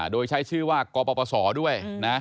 โดยใช้ชื่อว่ากปศด้วยนะ